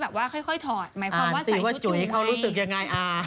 หมายความว่าใส่ชุดจุ้ยยังไงอ่ะอ่าอ๋อนแล้วอ่อนสิว่าจุ้ยเขารู้สึกอย่างไร